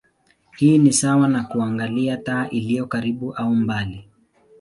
Hii ni sawa na kuangalia taa iliyo karibu au mbali.